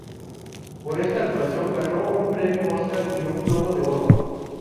Por esta actuación ganó un Premio Óscar y un Globo de Oro.